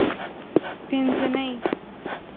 پینځنۍ